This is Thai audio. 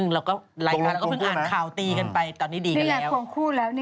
เราก็อ่านข่าวตีกันไปตอนนี้ดีกันแล้ว